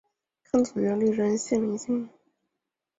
康子元历任献陵令。